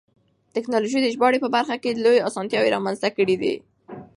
تکنالوژي د ژباړې په برخه کې لویې اسانتیاوې رامنځته کړې دي.